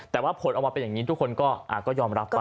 แต่ว่าผลออกมาเป็นอย่างนี้ทุกคนก็ยอมรับไป